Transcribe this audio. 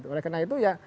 oleh karena itu ya